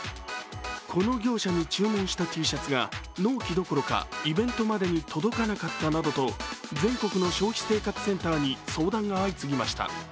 この業者に注文したＴシャツが納期どころか、届かなかったなどと全国の消費生活センターに相談が相次ぎました。